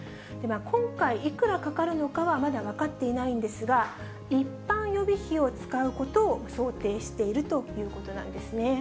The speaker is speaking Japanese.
今回、いくらかかるのかはまだ分かっていないんですが、一般予備費を使うことを想定しているということなんですね。